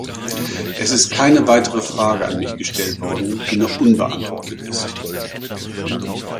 Es ist keine weitere Frage an mich gestellt worden, die noch unbeantwortet ist.